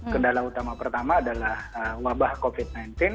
kendala utama pertama adalah wabah covid sembilan belas